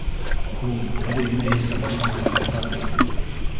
— Һуң һеҙ инмәйенсә башламаясаҡтар бит.